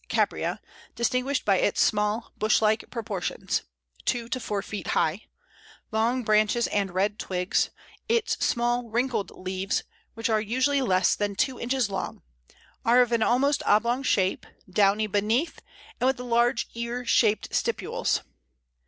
caprea_, distinguished by its small, bushlike proportions (two to four feet high), long branches and red twigs; its small wrinkled leaves, which are usually less than two inches long, are of an almost oblong shape, downy beneath, and with large ear shaped stipules.